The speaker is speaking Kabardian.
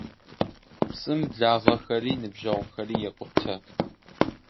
ПцӀым благъагъэри ныбжьэгъугъэри екъутэ.